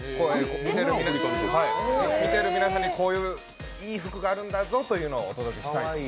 皆さんにこういういい服があるんだぞというのをお届けしたい。